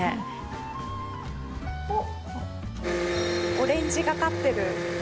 オレンジがかってる。